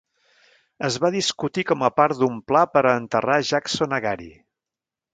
Es va discutir com a part d'un pla per a enterrar Jackson a Gary.